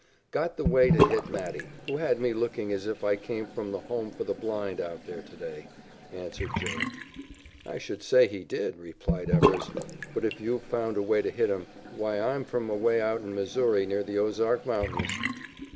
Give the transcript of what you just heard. "Got the way to hit Matty, who had me looking as if I came from the home for the blind out there to day," answered Joe. "I should say he did," replied Evers. "But if you've found a way to hit him, why, I'm from away out in Missouri near the Ozark Mountains."